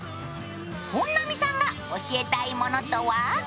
本並さんが教えたいものとは？